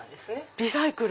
リサイクル！